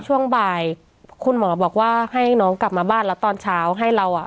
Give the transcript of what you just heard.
ช่วงบ่ายคุณหมอบอกว่าให้น้องกลับมาบ้านแล้วตอนเช้าให้เราอ่ะ